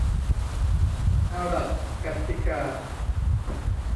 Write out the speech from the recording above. อาหรัดกัดติกา